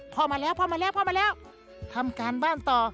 พ่อมาแล้วพ่อมาแล้วพ่อมาแล้วทำการบ้านต่อ